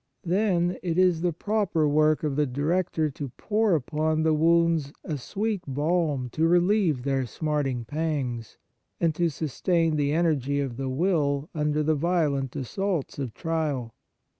Then it is the proper work of the director to pour upon the wounds a sweet balm to relieve their smarting pangs, and to sustain the energy of the will under the violent assaults of trial.